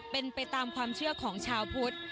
เป็นไปตามความเชื่อของชาวพุทธ